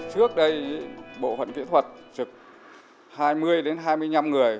trước đây bộ phận kỹ thuật trực hai mươi đến hai mươi năm người